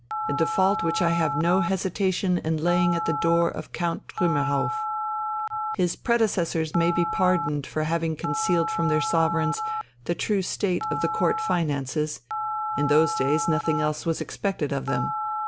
a default which I have no hesitation in laying at the door of Count Trümmerhauff. His predecessors may be pardoned for having concealed from their sovereigns the true state of the Court finances; in those days nothing else was expected of them.